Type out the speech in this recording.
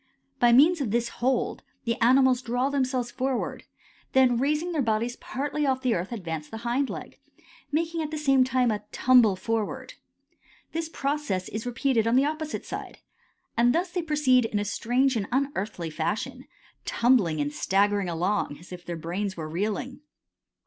By means of this hold the animals draw themselves forward, then raising their bodies partly off the earth advance the hind leg, making at the same time a tumble forward. The process is then repeated on the opposite side, and thus they proceed in a strange and unearthly fashion, tumbling and staggering along as if their brains were reeling.